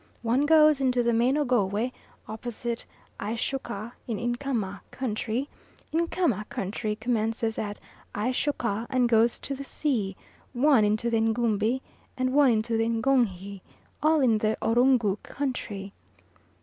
One goes into the main Ogowe opposite Ayshouka in Nkami country Nkami country commences at Ayshouka and goes to the sea one into the Ngumbi, and one into the Nunghi all in the Ouroungou country.